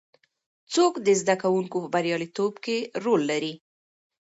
څوک د زده کوونکو په بریالیتوب کې رول لري؟